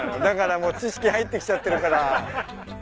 だからもう知識入ってきちゃってるから。